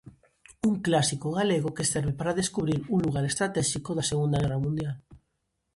Un clásico galego que serve para descubrir un lugar estratéxico da segunda guerra mundial.